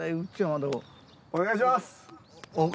お願いします！